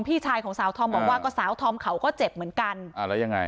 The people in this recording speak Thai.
พี่ชายของสาวธอมบอกว่าก็สาวธอมเขาก็เจ็บเหมือนกันอ่าแล้วยังไง